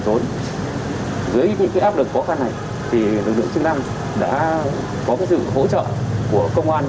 dưới những cái áp lực khó khăn này thì lực lượng chức năng đã có cái sự hỗ trợ của công an